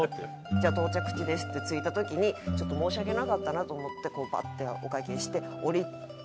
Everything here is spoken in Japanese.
じゃあ到着地ですって着いた時にちょっと申し訳なかったなと思ってこうバッてお会計して降りざまにですね